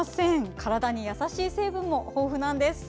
体に優しい成分も豊富なんです。